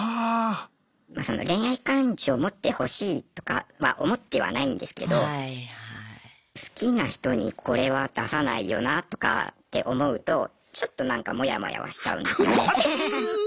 恋愛感情持ってほしいとかは思ってはないんですけど好きな人にこれは出さないよなとかって思うとちょっとなんかモヤモヤはしちゃうんですよね。